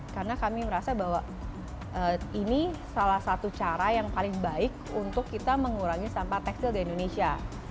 karena kami merasa bahwa ini salah satu cara yang paling baik untuk kita mengurangi sampah tekstil di indonesia